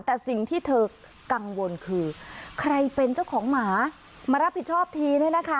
แต่สิ่งที่เธอกังวลคือใครเป็นเจ้าของหมามารับผิดชอบทีเนี่ยนะคะ